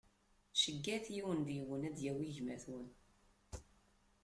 Ceggɛet yiwen deg-wen ad d-yawi gma-twen;